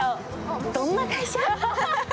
どんな会社？